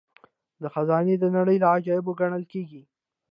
دا خزانه د نړۍ له عجايبو ګڼل کیږي